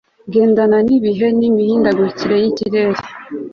gendana n'ibihe n'imihindagurikire y'ikirere